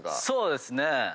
そうですね。